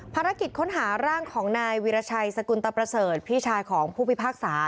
ภารกิจค้นหาร่างของนายวีรชัยสกุลตะประเสริฐพี่ชายของผู้พิพากษา